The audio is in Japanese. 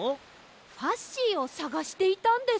ファッシーをさがしていたんです。